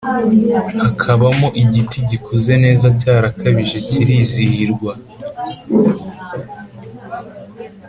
Hakabamo igiti gikuze neza Cyarakabije kirizihirwa